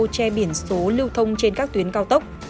che biển số lưu thông trên các tuyến cao tốc